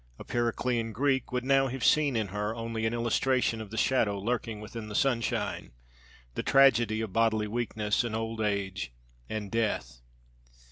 A Periclean Greek would now have seen in her only an illustration of the shadow lurking within the sunshine, the tragedy of bodily weakness and old age and death.